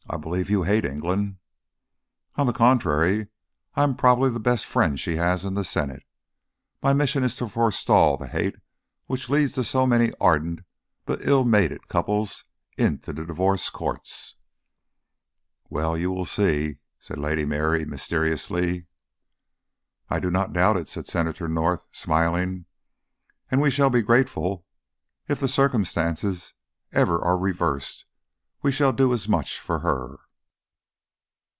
"I believe you hate England." "On the contrary, I am probably the best friend she has in the Senate. My mission is to forestall the hate which leads so many ardent but ill mated couples into the divorce courts." "Well, you will see," said Lady Mary, mysteriously. "I do not doubt it," said Senator North, smiling. "And we shall be grateful. If the circumstances ever are reversed, we shall do as much for her."